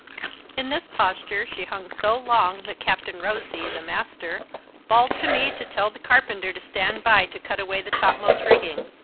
In this posture she hung so long that Captain Rosy, the master, bawled to me to tell the carpenter to stand by to cut away the topmast rigging.